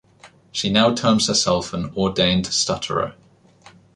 She now terms herself an "ordained stutterer".